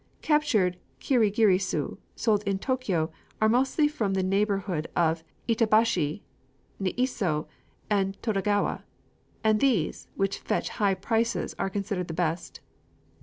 Captured kirigirisu sold in Tōkyō are mostly from the neighborhood of Itabashi, Niiso, and Todogawa; and these, which fetch high prices, are considered the best.